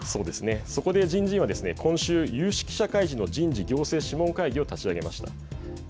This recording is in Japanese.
そこで人事院は今週、有識者会議の人事行政諮問会議を立ち上げました。